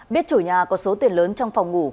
biết chủ nhà có số tiền lớn trong phòng ngủ